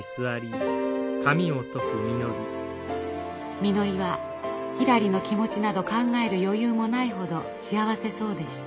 みのりはひらりの気持ちなど考える余裕もないほど幸せそうでした。